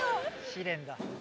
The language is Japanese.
試練だ。